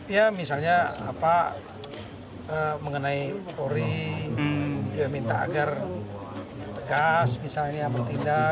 ya misalnya apa mengenai polri juga minta agar tegas misalnya pertindak